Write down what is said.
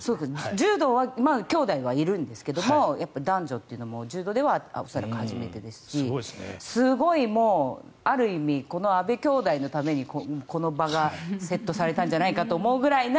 柔道はきょうだいはいるんですけど男女というのも柔道では恐らく初めてですしすごいある意味この阿部兄妹のためにこの場がセットされたんじゃないかと思うぐらいな